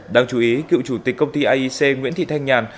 đáng chú ý cựu chủ tịch công ty aic nguyễn thị thanh nhàn